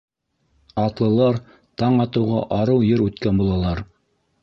Атлылар таң атыуға арыу ер үткән булалар.